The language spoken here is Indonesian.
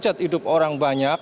dengan hajat hidup orang banyak